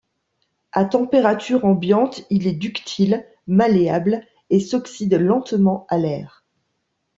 À température ambiante, il est ductile, malléable et s'oxyde lentement à l'air.